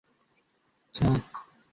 এর নষ্ট হওয়ার কারণটিও এর সাথে পুড়ে যাবে।